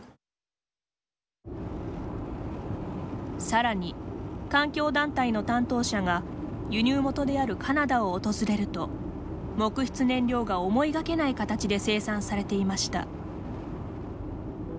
更に環境団体の担当者が輸入元であるカナダを訪れると木質燃料が思いがけない形で生産されていました。